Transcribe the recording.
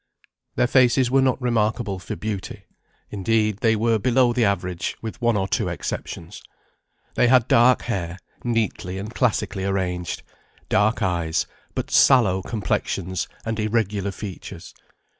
Their faces were not remarkable for beauty; indeed, they were below the average, with one or two exceptions; they had dark hair, neatly and classically arranged, dark eyes, but sallow complexions and irregular features.